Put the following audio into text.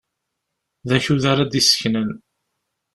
D akud ara d-iseknen.